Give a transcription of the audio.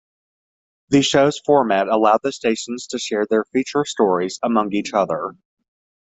The show's format allowed the stations to share their feature stories among each other.